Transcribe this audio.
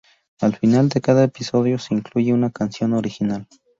Al final de cada episodio, se incluye una canción original.